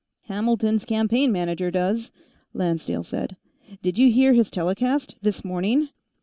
"Hamilton's campaign manager does," Lancedale said. "Did you hear his telecast, this morning?"